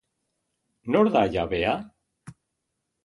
Nor da jabea?